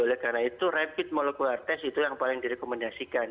oleh karena itu rapid molekular test itu yang paling direkomendasikan